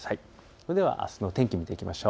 それではあすの天気を見ていきましょう。